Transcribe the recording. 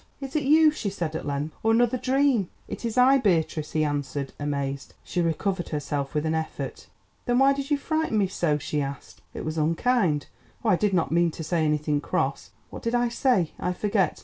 "Is it you," she said at length, "or another dream?" "It is I, Beatrice!" he answered, amazed. She recovered herself with an effort. "Then why did you frighten me so?" she asked. "It was unkind—oh, I did not mean to say anything cross. What did I say? I forget.